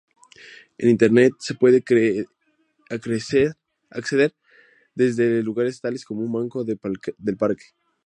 A Internet se puede acceder desde lugares tales como un banco del parque.